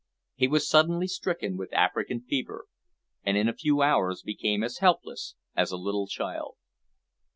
He was suddenly stricken with African fever, and in a few hours became as helpless as a little child.